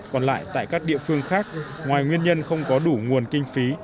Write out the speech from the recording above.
còn lại tại các địa phương khác ngoài nguyên nhân không có đủ nguồn kinh phí